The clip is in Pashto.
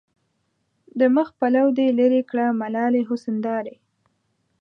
د مخ پلو دې لېري کړه ملالې حسن دارې